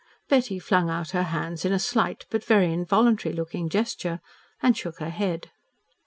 Betty flung out her hands in a slight, but very involuntary looking, gesture, and shook her head.